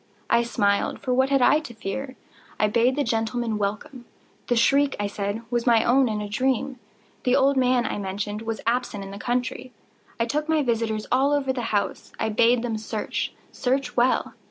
I smiled,—for what had I to fear? I bade the gentlemen welcome. The shriek, I said, was my own in a dream. The old man, I mentioned, was absent in the country. I took my visitors all over the house. I bade them search—search well.